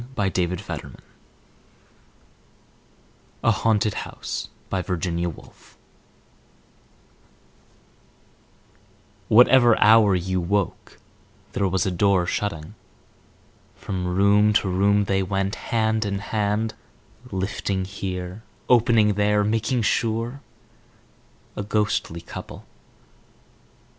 Monday or Tuesday. 1921. A Haunted House WHATEVER hour you woke there was a door shunting. From room to room they went, hand in hand, lifting here, opening there, making sure—a ghostly couple.